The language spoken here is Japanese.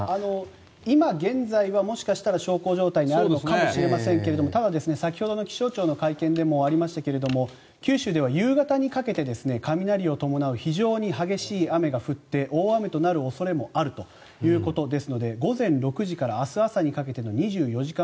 今現在は、もしかしたら小康状態にあるのかもしれませんがただ、先ほどの気象庁の会見でもありましたけれども九州では夕方にかけて雷を伴う非常に激しい雨が降って大雨となる恐れもあるということですので午前６時から明日朝にかけての２４時間